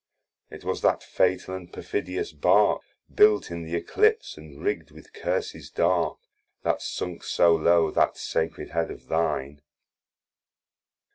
It was that fatall and perfidious Bark Built in th' eclipse, and rigg'd with curses dark, That sunk so low that sacred head of thine.